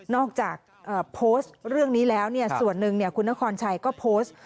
จากโพสต์เรื่องนี้แล้วส่วนหนึ่งคุณนครชัยก็โพสต์